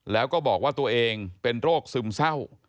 แล้วก็บอกว่าตัวเองเป็นโรคซึมเศร้า